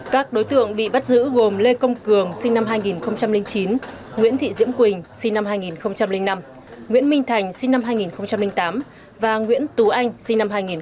các đối tượng bị bắt giữ gồm lê công cường sinh năm hai nghìn chín nguyễn thị diễm quỳnh sinh năm hai nghìn năm nguyễn minh thành sinh năm hai nghìn tám và nguyễn tú anh sinh năm hai nghìn